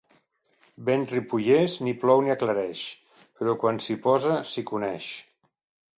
Vent ripollès ni plou ni aclareix, però quan s'hi posa s'hi coneix.